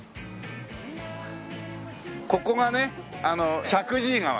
ここがね石神井川ね。